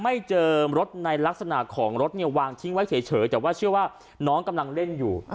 ไม่เจอรถในลักษณะของรถเนี่ยวางทิ้งไว้เฉยแต่ว่าเชื่อว่าน้องกำลังเล่นอยู่